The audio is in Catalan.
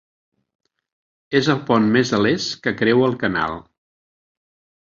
És el pont més a l'est que creua el canal.